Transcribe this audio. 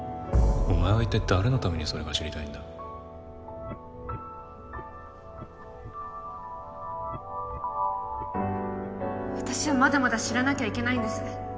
お前はいったい誰のためにそれが知り私はまだまだ知らなきゃいけなんいです。